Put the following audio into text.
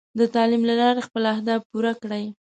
د تعلیم له لارې خپل اهداف پوره کړئ.